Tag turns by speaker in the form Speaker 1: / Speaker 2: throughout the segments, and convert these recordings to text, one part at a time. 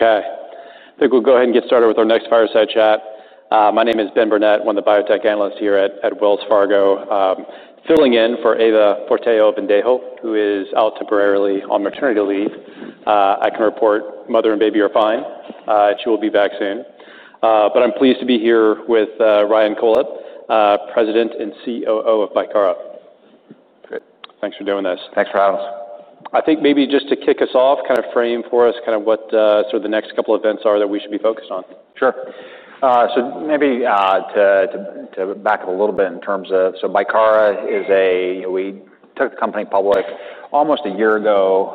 Speaker 1: Okay, I think we'll go ahead and get started with our next fireside chat. My name is Ben Burnett, one of the biotech analysts here at Wells Fargo, filling in for Eva Privitera, who is out temporarily on maternity leave. I can report mother and baby are fine, and she will be back soon. But I'm pleased to be here with Ryan Cohlhepp, President and COO of Bicara.
Speaker 2: Great.
Speaker 1: Thanks for doing this.
Speaker 2: Thanks for having us.
Speaker 1: I think maybe just to kick us off, kind of frame for us kind of what sort of the next couple events are that we should be focused on.
Speaker 2: Sure, so maybe to back up a little bit in terms of, so Bicara is. We took the company public almost a year ago,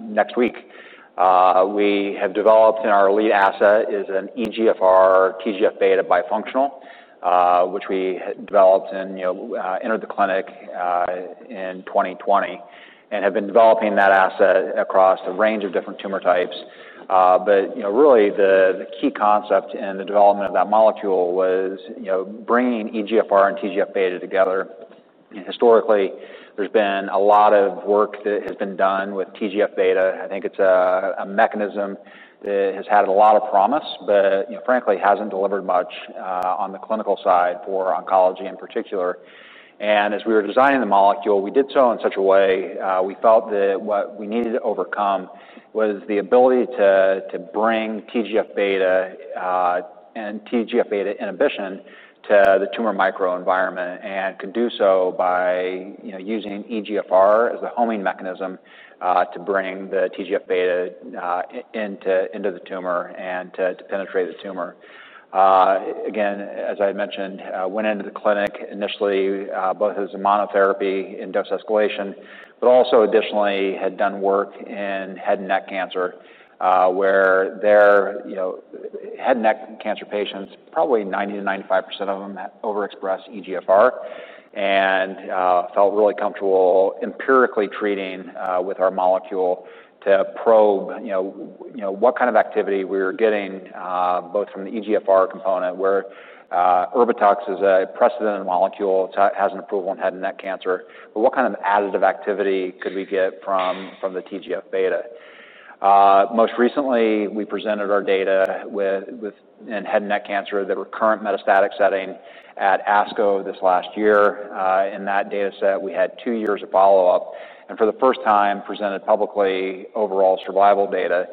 Speaker 2: next week. We have developed and our lead asset is an EGFR TGF-beta bifunctional, which we had developed and, you know, entered the clinic in 2020, and have been developing that asset across a range of different tumor types, but, you know, really, the key concept in the development of that molecule was, you know, bringing EGFR and TGF-beta together. Historically, there's been a lot of work that has been done with TGF-beta. I think it's a mechanism that has had a lot of promise, but, you know, frankly, hasn't delivered much on the clinical side for oncology in particular. As we were designing the molecule, we did so in such a way. We felt that what we needed to overcome was the ability to bring TGF-beta and TGF-beta inhibition to the tumor microenvironment, and could do so by, you know, using EGFR as a homing mechanism to bring the TGF-beta into the tumor and to penetrate the tumor. Again, as I mentioned, it went into the clinic initially both as a monotherapy in dose escalation, but also additionally had done work in head and neck cancer, where, you know, head and neck cancer patients probably 90%-95% of them had overexpressed EGFR. Felt really comfortable empirically treating with our molecule to probe, you know, what kind of activity we were getting both from the EGFR component, where Erbitux is a precedent molecule, it has an approval in head and neck cancer, but what kind of additive activity could we get from the TGF-beta. Most recently, we presented our data in head and neck cancer, the recurrent metastatic setting at ASCO this last year. In that data set, we had two years of follow-up, and for the first time, presented publicly overall survival data.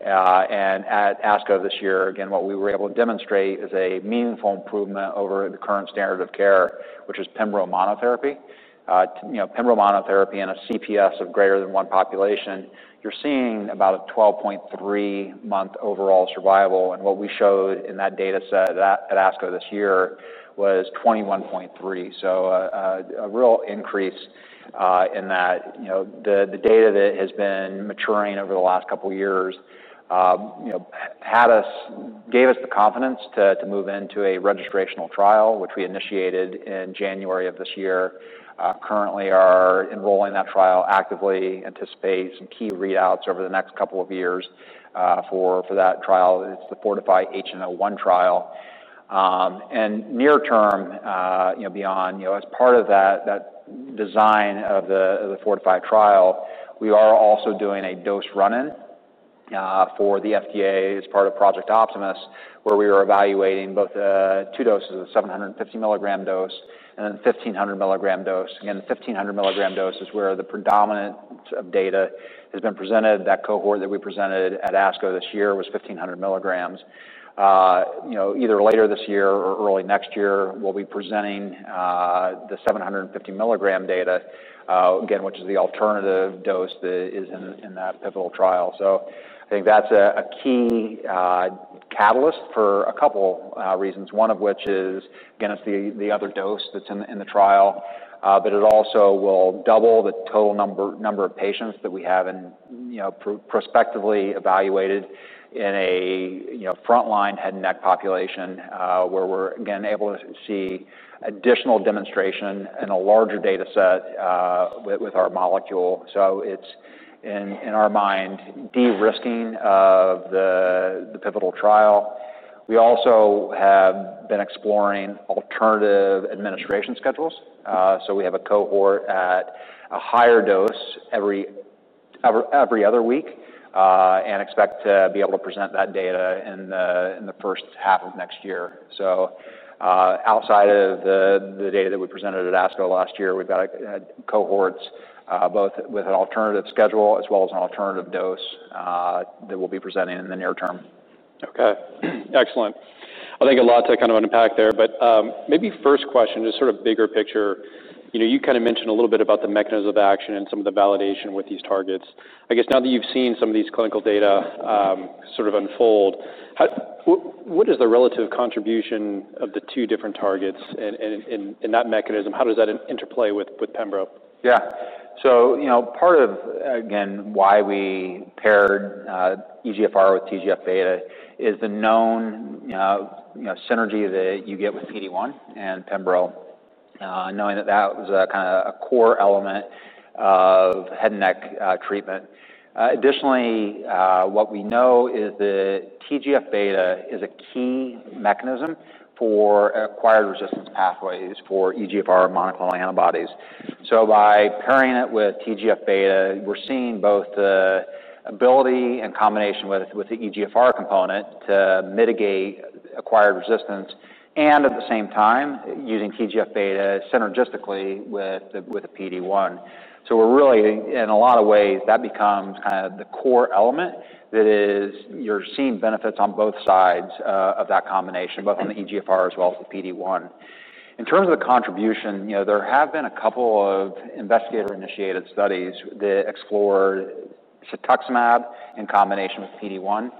Speaker 2: At ASCO this year, again, what we were able to demonstrate is a meaningful improvement over the current standard of care, which is pembro monotherapy. You know, pembro monotherapy and a CPS of greater than one population, you're seeing about a 12.3-month overall survival, and what we showed in that data set at ASCO this year was 21.3. So, a real increase in that. You know, the data that has been maturing over the last couple of years, you know, gave us the confidence to move into a registrational trial, which we initiated in January of this year. Currently are enrolling that trial actively, anticipate some key readouts over the next couple of years for that trial. It's the FORTIFY-HN01 trial. And near term, you know, beyond, you know, as part of that design of the FORTIFY trial, we are also doing a dose run-in for the FDA as part of Project Optimus, where we are evaluating both two doses: a 750 mg dose and a 1,500 mg dose. Again, the 1,500 mg dose is where the predominant data has been presented. That cohort that we presented at ASCO this year was 1,500 mg. You know, either later this year or early next year, we'll be presenting the 750 mg data, again, which is the alternative dose that is in that pivotal trial. So I think that's a key catalyst for a couple reasons, one of which is, again, it's the other dose that's in the trial. But it also will double the total number of patients that we have in, you know, prospectively evaluated in a, you know, frontline head and neck population, where we're, again, able to see additional demonstration and a larger data set with our molecule. So it's, in our mind, de-risking of the pivotal trial. We also have been exploring alternative administration schedules. So we have a cohort at a higher dose every other week, and expect to be able to present that data in the first half of next year. Outside of the data that we presented at ASCO last year, we've got cohorts, both with an alternative schedule as well as an alternative dose, that we'll be presenting in the near term.
Speaker 1: Okay. Excellent. I think a lot to kind of unpack there, but, maybe first question, just sort of bigger picture. You know, you kind of mentioned a little bit about the mechanism of action and some of the validation with these targets. I guess now that you've seen some of these clinical data, sort of unfold, what is the relative contribution of the two different targets in that mechanism? How does that interplay with pembro?
Speaker 2: Yeah. So, you know, part of, again, why we paired EGFR with TGF-beta is the known, you know, synergy that you get with PD-1 and pembro, knowing that that was a kind of a core element of head and neck treatment. Additionally, what we know is that TGF-beta is a key mechanism for acquired resistance pathways for EGFR monoclonal antibodies. So by pairing it with TGF-beta, we're seeing both the ability and combination with the EGFR component to mitigate acquired resistance, and at the same time, using TGF-beta synergistically with the PD-1. So we're really, in a lot of ways, that becomes kind of the core element that is, you're seeing benefits on both sides of that combination, both in the EGFR as well as the PD-1. In terms of the contribution, you know, there have been a couple of investigator-initiated studies that explored cetuximab in combination with PD-1.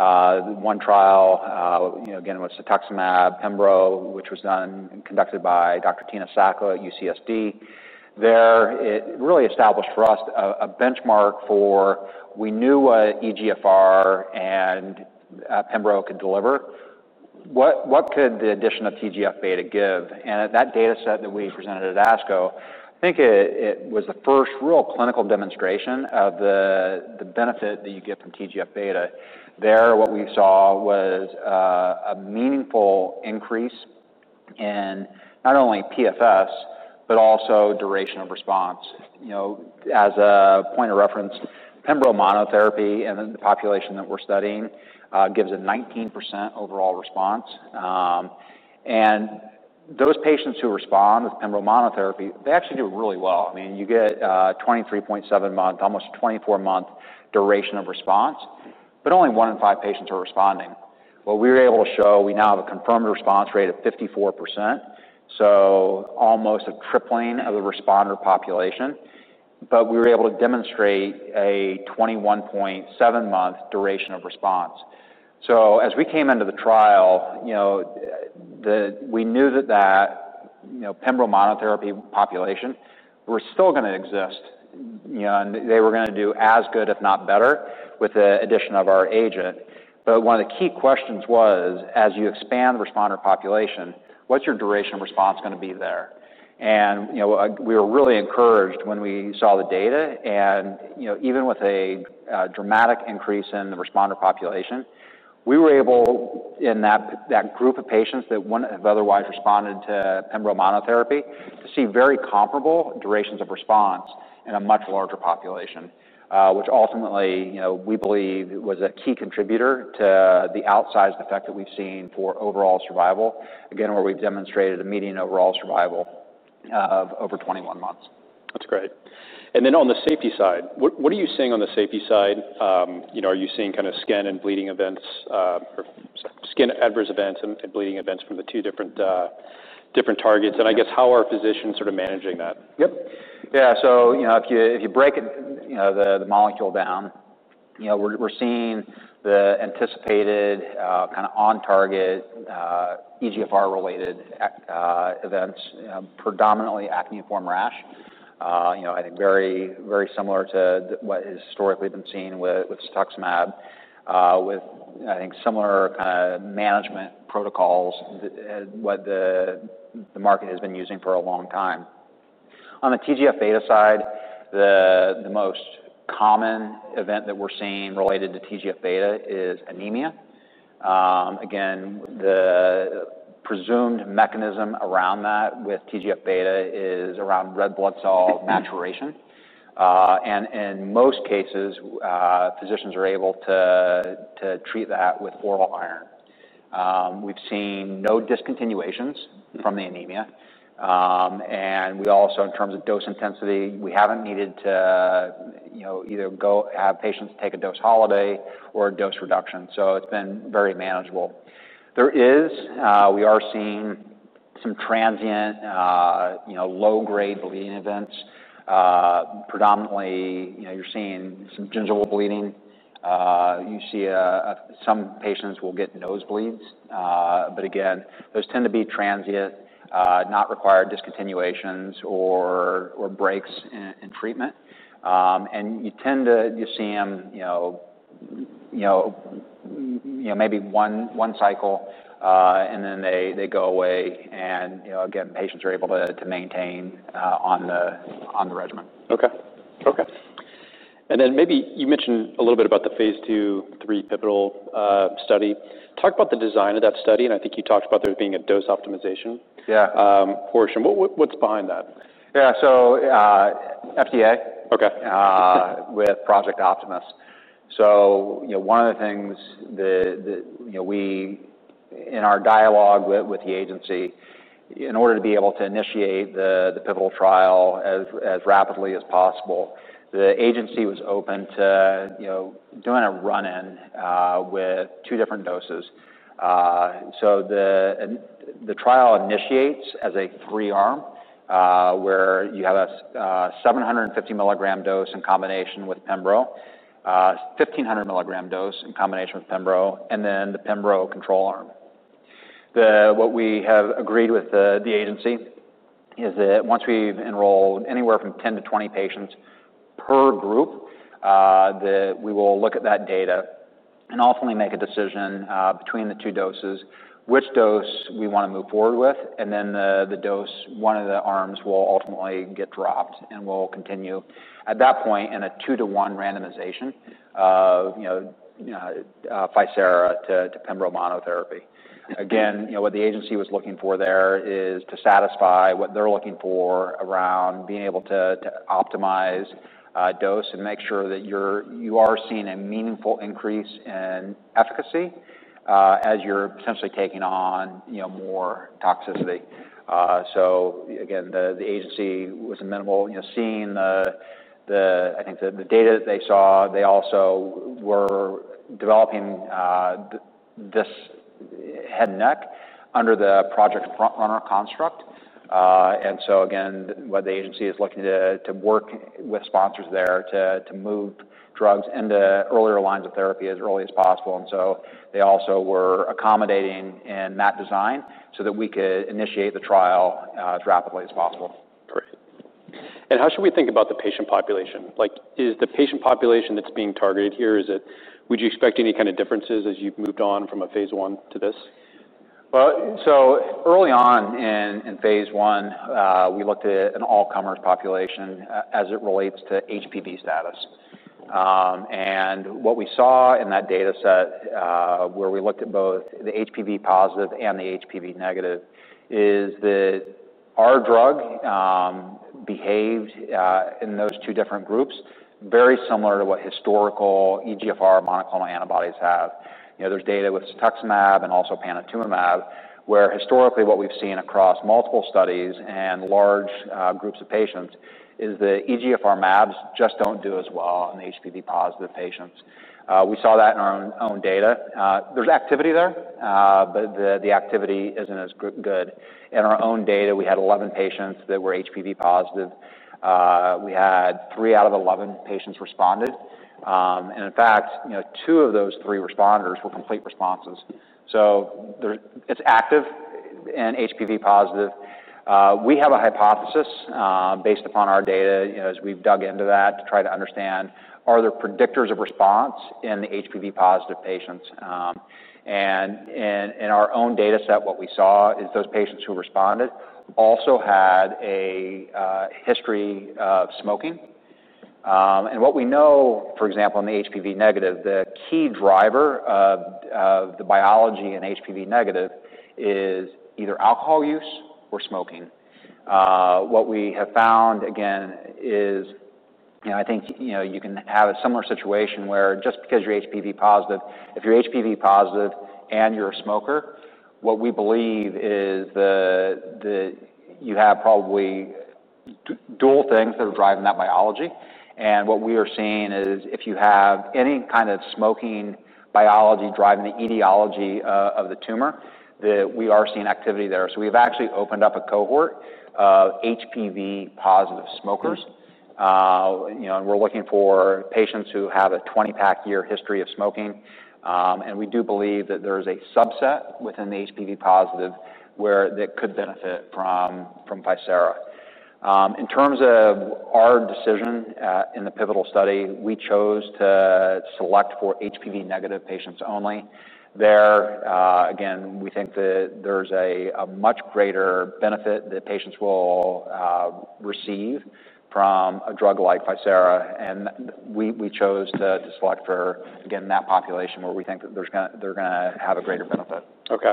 Speaker 2: One trial, you know, again, with cetuximab, pembro, which was done and conducted by Dr. Tina Sacco at UCSD. There, it really established for us a benchmark for... We knew what EGFR and pembro could deliver. What could the addition of TGF-beta give? And at that data set that we presented at ASCO, I think it was the first real clinical demonstration of the benefit that you get from TGF-beta. There, what we saw was a meaningful increase in not only PFS, but also duration of response. You know, as a point of reference, pembro monotherapy in the population that we're studying gives a 19% overall response. And those patients who respond with pembro monotherapy, they actually do really well. I mean, you get 23.7-month, almost 24-month duration of response, but only one in five patients are responding. What we were able to show, we now have a confirmed response rate of 54%, so almost a tripling of the responder population. But we were able to demonstrate a 21.7-month duration of response. So as we came into the trial, you know, we knew that, you know, pembro monotherapy population were still gonna exist, you know, and they were gonna do as good if not better with the addition of our agent. But one of the key questions was, as you expand the responder population, what's your duration response gonna be there? You know, we were really encouraged when we saw the data, and, you know, even with a dramatic increase in the responder population, we were able, in that group of patients that wouldn't have otherwise responded to pembro monotherapy, to see very comparable durations of response in a much larger population. Which ultimately, you know, we believe was a key contributor to the outsized effect that we've seen for overall survival. Again, where we've demonstrated a median overall survival of over 21 months.
Speaker 1: That's great. And then on the safety side, what are you seeing on the safety side? You know, are you seeing kind of skin and bleeding events, or skin adverse events and bleeding events from the two different targets?
Speaker 2: Yeah.
Speaker 1: I guess, how are physicians sort of managing that?
Speaker 2: Yep. Yeah, so, you know, if you break it, you know, the molecule down, you know, we're seeing the anticipated, kind of on target, EGFR-related acneiform events, predominantly acneiform rash. You know, I think very, very similar to what has historically been seen with cetuximab, with, I think, similar kind of management protocols than what the market has been using for a long time. On the TGF-beta side, the most common event that we're seeing related to TGF-beta is anemia. Again, the presumed mechanism around that with TGF-beta is around red blood cell maturation. And in most cases, physicians are able to treat that with oral iron. We've seen no discontinuations-
Speaker 1: Mm...
Speaker 2: from the anemia, and we also, in terms of dose intensity, we haven't needed to, you know, either go have patients take a dose holiday or a dose reduction, so it's been very manageable. We are seeing some transient, you know, low-grade bleeding events. Predominantly, you know, you're seeing some gingival bleeding. You see, some patients will get nosebleeds, but again, those tend to be transient, not require discontinuations or breaks in treatment, and you tend to just see them, you know, maybe one cycle, and then they go away and, you know, again, patients are able to maintain on the regimen.
Speaker 1: Okay. Okay. And then maybe you mentioned a little bit about the phase II/III pivotal study. Talk about the design of that study, and I think you talked about there being a dose optimization-
Speaker 2: Yeah...
Speaker 1: portion. What, what, what's behind that?
Speaker 2: Yeah. So, FDA-
Speaker 1: Okay...
Speaker 2: with Project Optimus. So, you know, one of the things that we in our dialogue with the agency, in order to be able to initiate the pivotal trial as rapidly as possible, the agency was open to, you know, doing a run-in with two different doses. So the trial initiates as a three-arm where you have a 750 mg dose in combination with pembro, 1500 mg dose in combination with pembro, and then the pembro control arm. What we have agreed with the agency is that once we've enrolled anywhere from 10 to 20 patients per group, that we will look at that data.... and ultimately make a decision between the two doses, which dose we wanna move forward with, and then the dose, one of the arms will ultimately get dropped, and we'll continue at that point in a 2:1 randomization of, you know, ficerafusp to pembro monotherapy. Again, you know, what the agency was looking for there is to satisfy what they're looking for around being able to optimize dose and make sure that you're, you are seeing a meaningful increase in efficacy as you're essentially taking on, you know, more toxicity. So again, the agency was amenable, seeing the data that they saw. They also were developing this head and neck under the Project FrontRunner construct. And so again, what the agency is looking to work with sponsors there to move drugs into earlier lines of therapy as early as possible. And so they also were accommodating in that design so that we could initiate the trial as rapidly as possible.
Speaker 1: Great. And how should we think about the patient population? Like, is the patient population that's being targeted here, is it... Would you expect any kind of differences as you've moved on from a phase I to this?
Speaker 2: Well, so early on in phase I, we looked at an all-comers population as it relates to HPV status. And what we saw in that data set, where we looked at both the HPV positive and the HPV negative, is that our drug behaved in those two different groups very similar to what historical EGFR monoclonal antibodies have. You know, there's data with cetuximab and also panitumumab, where historically, what we've seen across multiple studies and large groups of patients is that EGFR mAbs just don't do as well in HPV-positive patients. We saw that in our own data. There's activity there, but the activity isn't as good. In our own data, we had 11 patients that were HPV positive. We had three out of 11 patients responded. And in fact, you know, two of those three responders were complete responses. So there's—it's active in HPV positive. We have a hypothesis, based upon our data, you know, as we've dug into that to try to understand, are there predictors of response in the HPV-positive patients? And in our own data set, what we saw is those patients who responded also had a history of smoking. And what we know, for example, in the HPV negative, the key driver of the biology in HPV negative is either alcohol use or smoking. What we have found, again, is, you know, I think, you know, you can have a similar situation where just because you're HPV positive, if you're HPV positive and you're a smoker, what we believe is the, the... You have probably dual things that are driving that biology. And what we are seeing is, if you have any kind of smoking biology driving the etiology of the tumor, we are seeing activity there. So we've actually opened up a cohort of HPV-positive smokers. You know, and we're looking for patients who have a 20-pack year history of smoking. And we do believe that there is a subset within the HPV positive where that could benefit from ficerafusp. In terms of our decision in the pivotal study, we chose to select for HPV-negative patients only. There again, we think that there's a much greater benefit that patients will receive from a drug like ficerafusp, and we chose to select for again that population where we think that there's they're gonna have a greater benefit.
Speaker 1: Okay.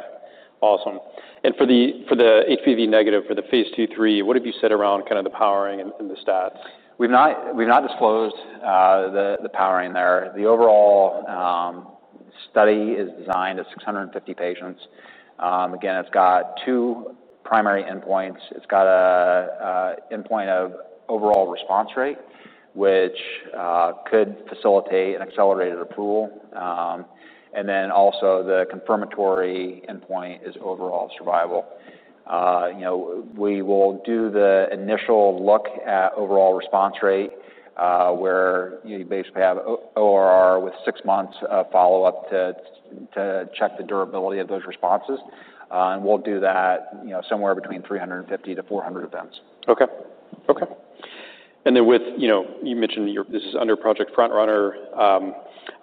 Speaker 1: Awesome. And for the HPV negative, for the phase two/three, what have you said around kind of the powering and the stats?
Speaker 2: We've not disclosed the powering there. The overall study is designed as 650 patients. Again, it's got two primary endpoints. It's got an endpoint of overall response rate, which could facilitate an accelerated approval. And then also the confirmatory endpoint is overall survival. You know, we will do the initial look at overall response rate, where you basically have ORR with six months follow-up to check the durability of those responses. And we'll do that, you know, somewhere between 350 to 400 events.
Speaker 1: Okay. And then, you know, you mentioned your this is under Project FrontRunner.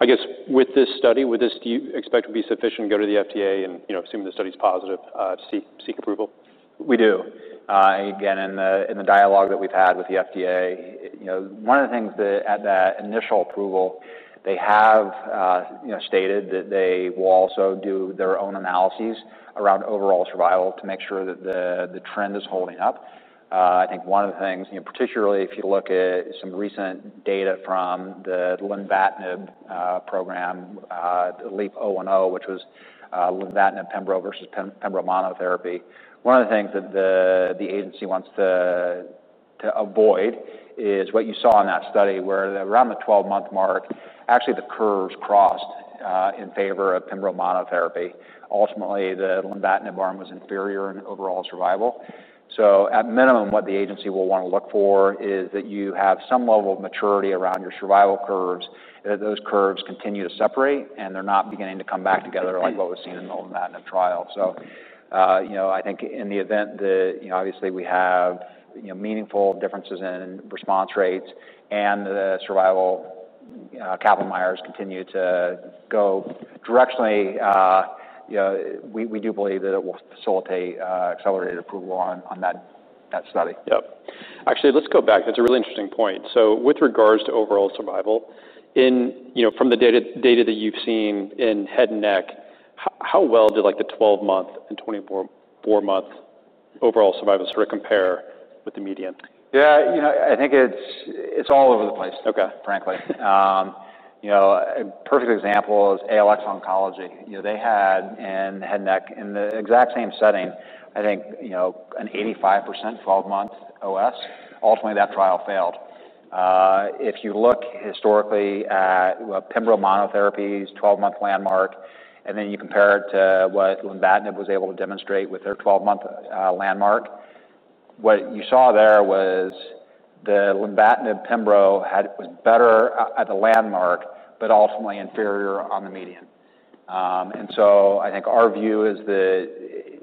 Speaker 1: I guess, with this study, do you expect to be sufficient to go to the FDA and, you know, assume the study's positive, to seek approval?
Speaker 2: We do. Again, in the dialogue that we've had with the FDA, you know, one of the things that at that initial approval, they have, you know, stated that they will also do their own analyses around overall survival to make sure that the trend is holding up. I think one of the things, you know, particularly if you look at some recent data from the lenvatinib program, LEAP-010, which was lenvatinib pembro versus pembro monotherapy, one of the things that the agency wants to avoid is what you saw in that study, where around the 12-month mark, actually, the curves crossed in favor of pembro monotherapy. Ultimately, the lenvatinib arm was inferior in overall survival. So at minimum, what the agency will wanna look for is that you have some level of maturity around your survival curves, that those curves continue to separate, and they're not beginning to come back together like what was seen in the lenvatinib trial. So, you know, I think in the event that, you know, obviously we have, you know, meaningful differences in response rates and the Kaplan-Meier's continue to go directionally, you know, we do believe that it will facilitate accelerated approval on that study.
Speaker 1: Yep. Actually, let's go back. That's a really interesting point. So with regards to overall survival, in, you know, from the data that you've seen in head and neck, how well do, like, the 12-month and 24-month overall survival sort of compare with the median?
Speaker 2: Yeah, you know, I think it's, it's all over the place.
Speaker 1: Okay...
Speaker 2: frankly. You know, a perfect example is ALX Oncology. You know, they had in head and neck, in the exact same setting, I think, you know, an 85% 12-month OS. Ultimately, that trial failed. If you look historically at pembro monotherapy's 12-month landmark, and then you compare it to what lenvatinib was able to demonstrate with their twelve-month landmark, what you saw there was the lenvatinib pembro had was better at the landmark, but ultimately inferior on the median. And so I think our view is that,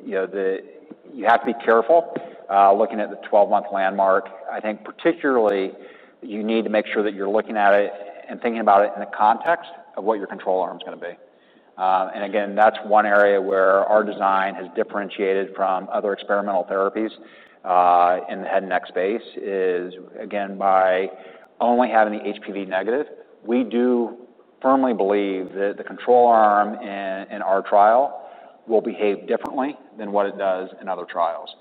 Speaker 2: you know, that you have to be careful looking at the 12-month landmark. I think particularly you need to make sure that you're looking at it and thinking about it in the context of what your control arm's gonna be. And again, that's one area where our design has differentiated from other experimental therapies in the head and neck space: again, by only having the HPV-negative. We do firmly believe that the control arm in our trial will behave differently than what it does in other trials.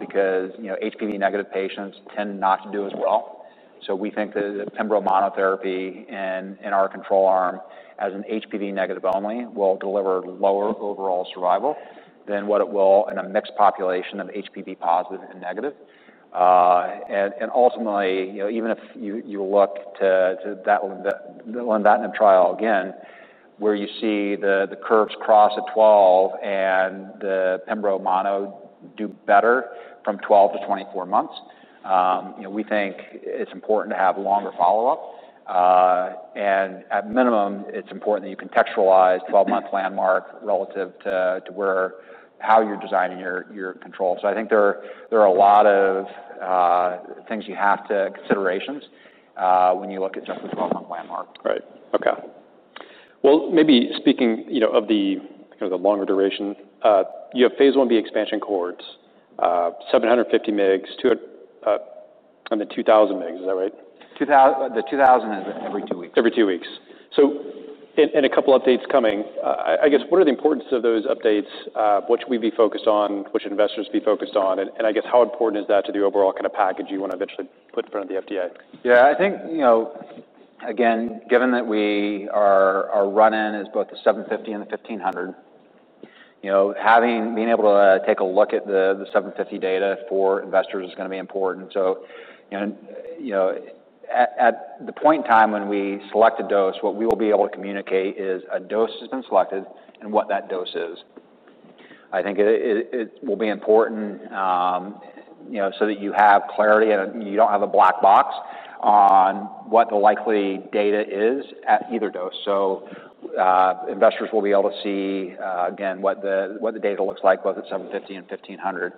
Speaker 2: Because, you know, HPV-negative patients tend not to do as well, so we think that pembro monotherapy in our control arm as an HPV-negative only will deliver lower overall survival than what it will in a mixed population of HPV-positive and negative. And ultimately, you know, even if you look to that, the lenvatinib trial again, where you see the curves cross at 12 and the pembro mono do better from 12 to 24 months, you know, we think it's important to have longer follow-up. And at minimum, it's important that you contextualize 12-month landmark relative to where, how you're designing your control. So I think there are a lot of considerations when you look at just the 12-month landmark.
Speaker 1: Right. Okay. Well, maybe speaking, you know, of the, you know, the longer duration, you have phase Ib expansion cohorts, 750 mg to, I mean, 2,000 mg, is that right?
Speaker 2: The 2,000 is every two weeks.
Speaker 1: Every two weeks. So, and a couple updates coming. I guess, what are the importance of those updates? What should we be focused on? And I guess, how important is that to the overall kind of package you want to eventually put in front of the FDA?
Speaker 2: Yeah, I think, you know, again, given that we are our run-in is both the 750 and the 1,500, you know, having being able to take a look at the 750 data for investors is gonna be important. So, and, you know, at the point in time when we select a dose, what we will be able to communicate is a dose has been selected and what that dose is. I think it will be important, you know, so that you have clarity, and you don't have a black box on what the likely data is at either dose. So, investors will be able to see, again, what the data looks like, both at 750 and 1,500.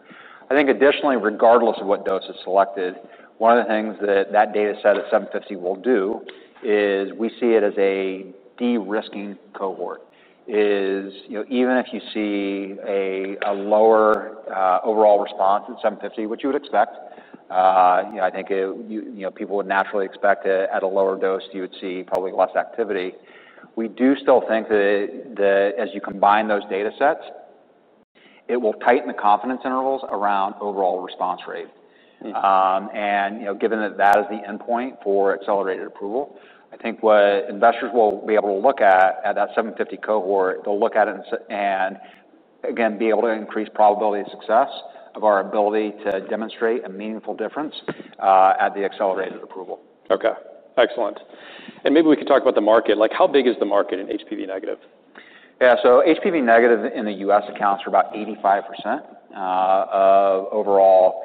Speaker 2: I think additionally, regardless of what dose is selected, one of the things that data set at 750 will do is we see it as a de-risking cohort. You know, even if you see a lower overall response at 750, which you would expect, you know, I think it, you know, people would naturally expect at a lower dose, you would see probably less activity. We do still think that as you combine those data sets, it will tighten the confidence intervals around overall response rate.
Speaker 1: Mm.
Speaker 2: And you know, given that that is the endpoint for accelerated approval, I think what investors will be able to look at at that 750 cohort, they'll look at it and again be able to increase probability of success of our ability to demonstrate a meaningful difference at the accelerated approval.
Speaker 1: Okay, excellent, and maybe we can talk about the market. Like, how big is the market in HPV negative?
Speaker 2: Yeah. So HPV negative in the U.S. accounts for about 85% of overall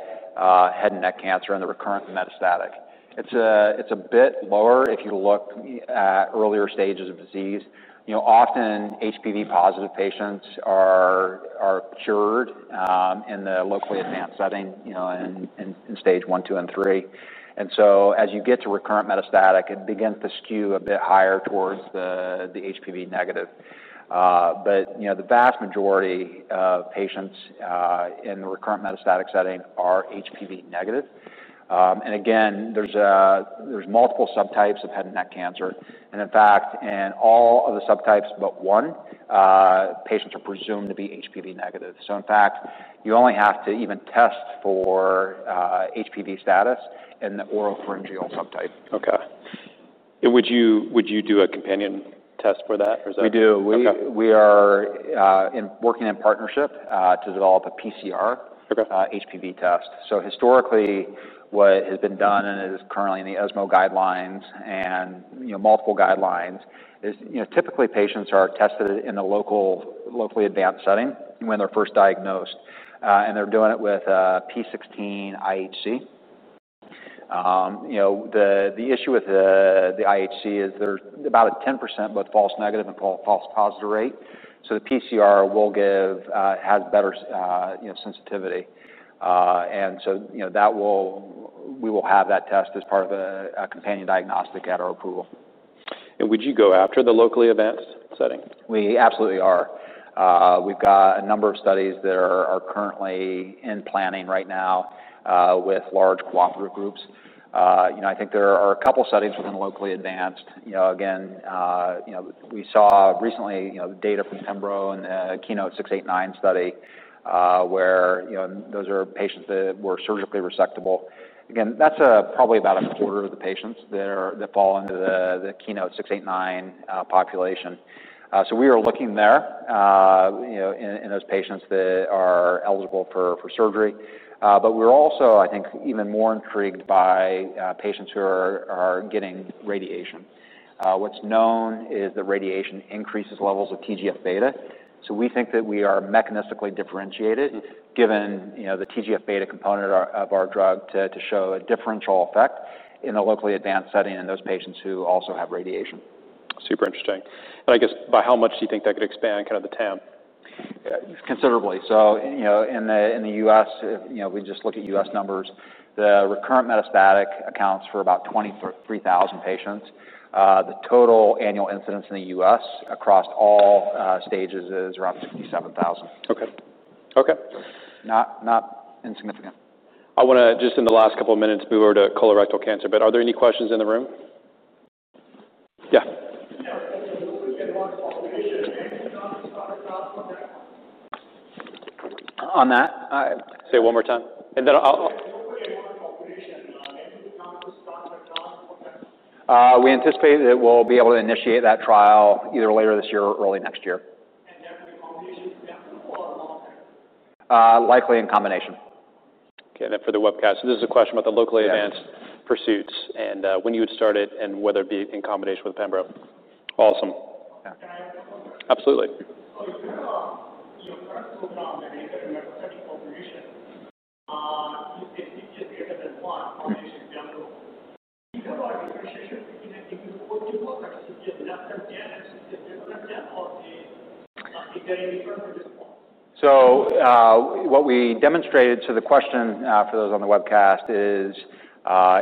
Speaker 2: head and neck cancer in the recurrent metastatic. It's a bit lower if you look at earlier stages of disease. You know, often, HPV-positive patients are cured in the locally advanced setting, you know, in Stage I, II, and III. And so as you get to recurrent metastatic, it begins to skew a bit higher towards the HPV negative. But, you know, the vast majority of patients in the recurrent metastatic setting are HPV negative. And again, there's multiple subtypes of head and neck cancer, and in fact, in all of the subtypes but one, patients are presumed to be HPV negative. So in fact, you only have to even test for HPV status in the oropharyngeal subtype.
Speaker 1: Okay. And would you do a companion test for that, or is that-
Speaker 2: We do.
Speaker 1: Okay.
Speaker 2: We are working in partnership to develop a PCR-
Speaker 1: Okay...
Speaker 2: HPV test. So historically, what has been done and is currently in the ESMO guidelines and, you know, multiple guidelines is, you know, typically, patients are tested in the locally advanced setting when they're first diagnosed, and they're doing it with p16 IHC. You know, the issue with the IHC is there's about a 10% both false negative and false positive rate, so the PCR has better, you know, sensitivity. And so, you know, we will have that test as part of a companion diagnostic at our approval....
Speaker 1: And would you go after the locally advanced setting?
Speaker 2: We absolutely are. We've got a number of studies that are currently in planning right now with large cooperative groups. You know, I think there are a couple studies within locally advanced. You know, again, you know, we saw recently, you know, the data from pembro and KEYNOTE-689 study, where, you know, those are patients that were surgically resectable. Again, that's probably about a quarter of the patients that fall under the KEYNOTE-689 population. So we are looking there, you know, in those patients that are eligible for surgery. But we're also, I think, even more intrigued by patients who are getting radiation. What's known is that radiation increases levels of TGF-beta, so we think that we are mechanistically differentiated-
Speaker 1: Mm.
Speaker 2: given, you know, the TGF-beta component of our drug to show a differential effect in a locally advanced setting in those patients who also have radiation.
Speaker 1: Super interesting. And I guess, by how much do you think that could expand, kind of the TAM?
Speaker 2: Considerably. So, you know, in the U.S., you know, we just look at U.S. numbers, the recurrent metastatic accounts for about 23,000 patients. The total annual incidence in the U.S. across all stages is around 67,000.
Speaker 1: Okay. Okay.
Speaker 2: Not insignificant.
Speaker 1: I wanna just in the last couple of minutes move over to colorectal cancer, but are there any questions in the room? Yeah. Yeah,
Speaker 2: On that, I-
Speaker 1: Say it one more time, and then I'll-
Speaker 2: We anticipate that we'll be able to initiate that trial either later this year or early next year. There will be combination with them or alone? Likely in combination.
Speaker 1: Okay, and then for the webcast, so this is a question about the locally-
Speaker 2: Yes...
Speaker 1: advanced pursuits, and, when you would start it, and whether it be in combination with pembro? Awesome. Can I ask one more? Absolutely. You have your current program that you have a certain population, it's just greater than one. Do you have a differentiation between CPS less CPS?
Speaker 2: What we demonstrated, so the question for those on the webcast is,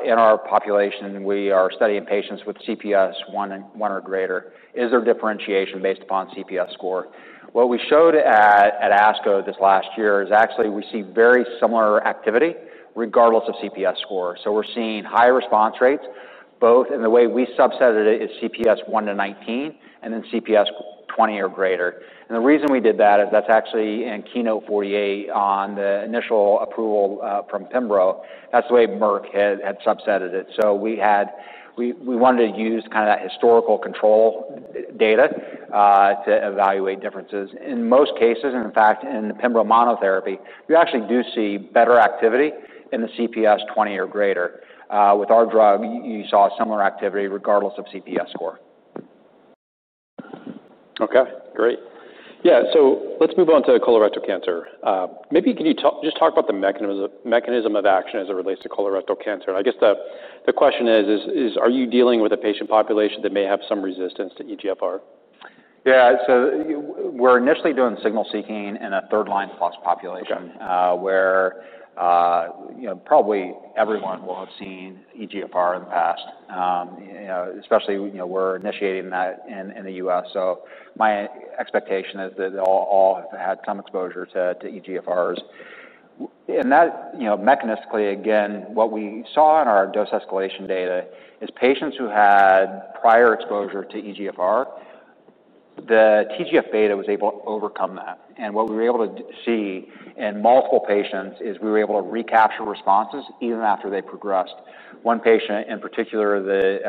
Speaker 2: in our population, we are studying patients with CPS 1 or greater. Is there differentiation based upon CPS score? What we showed at ASCO this last year is actually we see very similar activity regardless of CPS score. So we're seeing high response rates, both in the way we subset it, is CPS 1 to 19, and then CPS 20 or greater. And the reason we did that is that's actually in KEYNOTE-48 on the initial approval from pembro. That's the way Merck had subsetted it. So we wanted to use kind of that historical control data to evaluate differences. In most cases, and in fact, in the pembro monotherapy, we actually do see better activity in the CPS 20 or greater. With our drug, you saw similar activity regardless of CPS score.
Speaker 1: Okay, great. Yeah, so let's move on to colorectal cancer. Maybe, can you just talk about the mechanism of action as it relates to colorectal cancer? I guess the question is, are you dealing with a patient population that may have some resistance to EGFR?
Speaker 2: Yeah, so we're initially doing signal seeking in a third-line plus population.
Speaker 1: Okay...
Speaker 2: where, you know, probably everyone will have seen EGFR in the past. You know, especially, you know, we're initiating that in the U.S., so my expectation is that they all have had some exposure to EGFRs. And that, you know, mechanistically, again, what we saw in our dose escalation data is patients who had prior exposure to EGFR, the TGF-beta was able to overcome that. And what we were able to see in multiple patients is we were able to recapture responses even after they progressed. One patient in particular that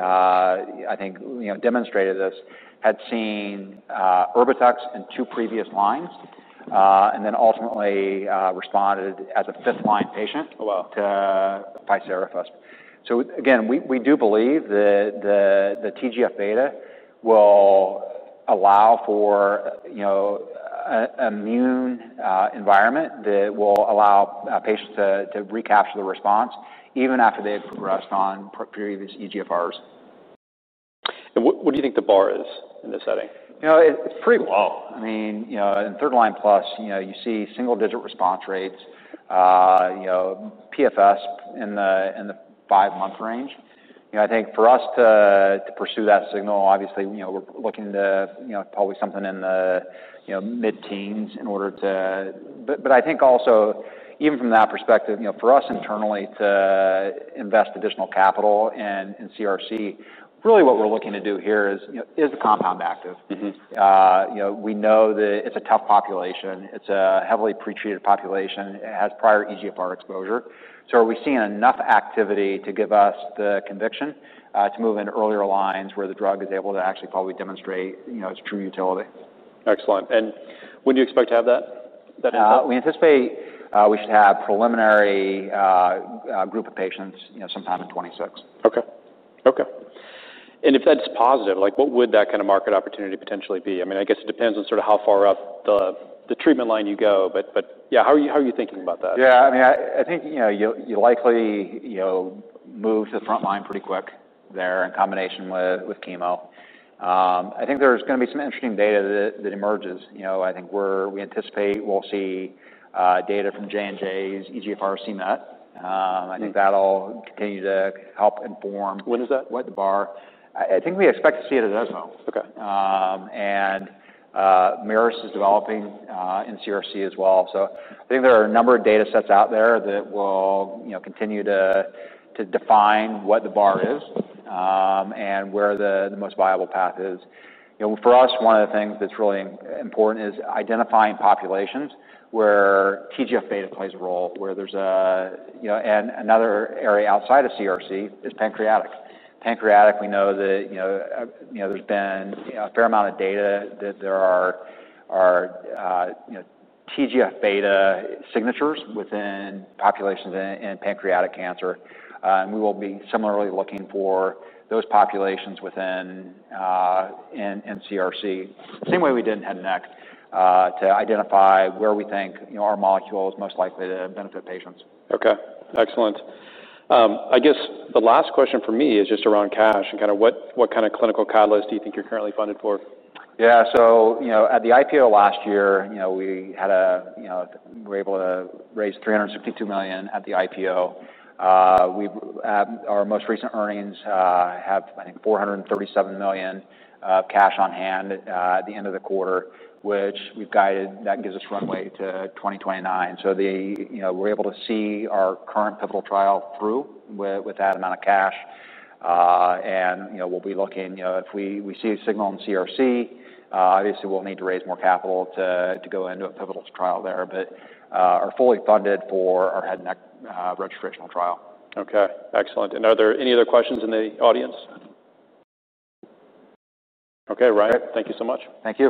Speaker 2: I think, you know, demonstrated this, had seen Erbitux in two previous lines, and then ultimately responded as a fifth-line patient-
Speaker 1: Wow...
Speaker 2: to ficerafusp alfa. So again, we do believe that the TGF-beta will allow for, you know, an immune environment that will allow patients to recapture the response even after they've progressed on previous EGFRs.
Speaker 1: What do you think the bar is in this setting?
Speaker 2: You know, it's pretty low. I mean, you know, in third-line plus, you know, you see single-digit response rates, you know, PFS in the five-month range. You know, I think for us to pursue that signal, obviously, you know, we're looking to, you know, probably something in the mid-teens in order to... But I think also, even from that perspective, you know, for us internally to invest additional capital in CRC, really what we're looking to do here is, you know, is the compound active?
Speaker 1: Mm-hmm.
Speaker 2: you know, we know that it's a tough population. It's a heavily pretreated population. It has prior EGFR exposure. So are we seeing enough activity to give us the conviction, to move into earlier lines where the drug is able to actually probably demonstrate, you know, its true utility?
Speaker 1: Excellent. And when do you expect to have that info?
Speaker 2: We anticipate we should have preliminary group of patients, you know, sometime in 2026.
Speaker 1: Okay. Okay. And if that's positive, like, what would that kind of market opportunity potentially be? I mean, I guess it depends on sort of how far up the treatment line you go, but yeah, how are you thinking about that?
Speaker 2: Yeah, I mean, I think, you know, you'll likely, you know, move to the front line pretty quick there in combination with chemo. I think there's gonna be some interesting data that emerges. You know, I think we anticipate we'll see data from J&J's EGFR c-Met.
Speaker 1: Mm.
Speaker 2: I think that'll continue to help inform.
Speaker 1: When is that?
Speaker 2: What? The bar. I think we expect to see it at ESMO.
Speaker 1: Okay.
Speaker 2: And Merus is developing in CRC as well. So I think there are a number of data sets out there that will, you know, continue to define what the bar is, and where the most viable path is. You know, for us, one of the things that's really important is identifying populations where TGF-beta plays a role, where there's a you know. And another area outside of CRC is pancreatic. Pancreatic, we know that, you know, there's been a fair amount of data that there are TGF-beta signatures within populations in pancreatic cancer. And we will be similarly looking for those populations within CRC, same way we did in head and neck to identify where we think, you know, our molecule is most likely to benefit patients.
Speaker 1: Okay, excellent. I guess the last question from me is just around cash and kind of what kind of clinical catalysts do you think you're currently funded for?
Speaker 2: Yeah. So, you know, at the IPO last year, you know, we were able to raise $362 million at the IPO. We've, our most recent earnings have, I think, $437 million of cash on hand at the end of the quarter, which we've guided, that gives us runway to 2029. So, you know, we're able to see our current pivotal trial through with that amount of cash. And, you know, we'll be looking, you know, if we see a signal in CRC, obviously we'll need to raise more capital to go into a pivotal trial there, but are fully funded for our head and neck registrational trial.
Speaker 1: Okay, excellent. And are there any other questions in the audience? Okay, Ryan-
Speaker 2: Great.
Speaker 1: Thank you so much.
Speaker 2: Thank you.